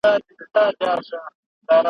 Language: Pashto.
ملنګه ! يو تسنيم په سخن فهمو پسې مړ شو ,